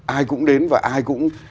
ai cũng đến và ai cũng